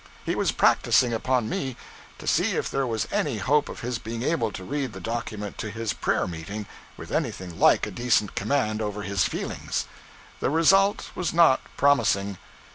He was practising upon me to see if there was any hope of his being able to read the document to his prayer meeting with anything like a decent command over his feelings. The result was not promising.